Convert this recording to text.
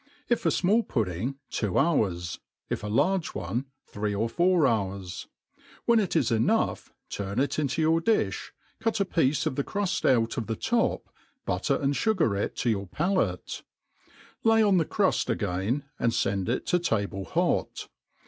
Pf a fmall puddingy two hours: if a large one, three or four hours. When it ia enough turn rt into your di&,< cut a piece of Hie cruft out of the top, butter and fugar it to your palate ; lay on the cruflf again, and fend it to table hot.